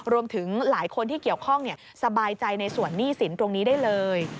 รวมถึงหลายคนที่เกี่ยวข้องสบายใจในส่วนหนี้สินตรงนี้ได้เลย